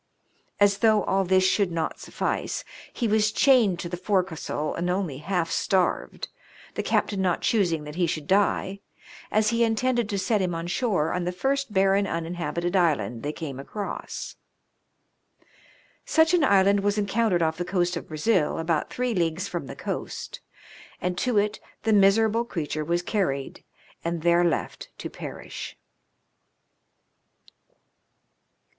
As though all this should not suffice, he was chained to the fore castle and only half starved, the captain not choosing that he should die, as he intended to set him on shore on the first barren uninhabited island they came across. Such an island was encountered off the coast of Brazil, about three leagues from the coast, and to it the miserable creature was carried and there left to perish.